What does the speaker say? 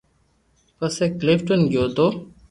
پسي ڪلفٽن گيو تي